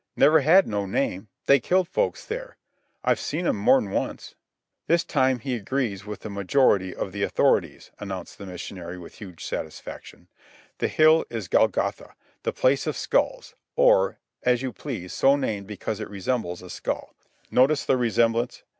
"Never had no name. They killed folks there. I've seem 'm more 'n once." "This time he agrees with the majority of the authorities," announced the missionary with huge satisfaction. "The hill is Golgotha, the Place of Skulls, or, as you please, so named because it resembles a skull. Notice the resemblance.